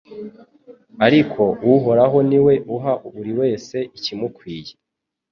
ariko Uhoraho ni we uha buri wese ikimukwiye